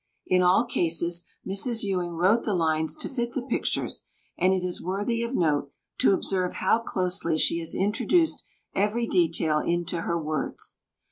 In all cases Mrs. Ewing wrote the lines to fit the pictures, and it is worthy of note to observe how closely she has introduced every detail into her words.